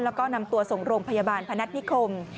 แล้วก็นำตัวส่งโรงพยาบาลพนัฐนิคม